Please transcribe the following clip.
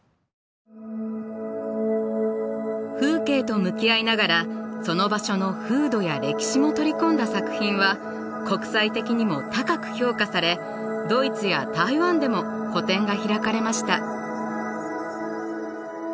風景と向き合いながらその場所の風土や歴史も取り込んだ作品は国際的にも高く評価されドイツや台湾でも個展が開かれました。